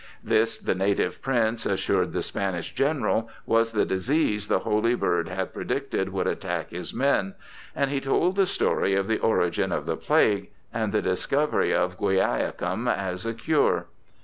This the native prince assured the Spanish General was the disease the holy bird had predicted would attack his men, and he told the story of the origin of the plague, and the discovery of guaiacum as a cure.